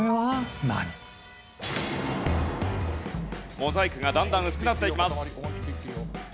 モザイクがだんだん薄くなっていきます。